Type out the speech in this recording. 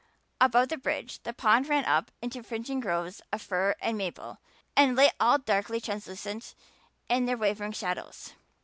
Above the bridge the pond ran up into fringing groves of fir and maple and lay all darkly translucent in their wavering shadows.